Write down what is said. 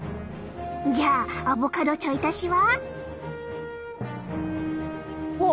じゃあアボカドちょい足しは？